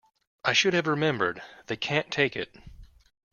I should have remembered, they can't take it.